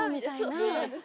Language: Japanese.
そうなんです。